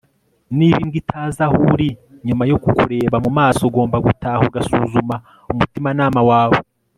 niba imbwa itaza aho uri nyuma yo kukureba mu maso, ugomba gutaha ugasuzuma umutimanama wawe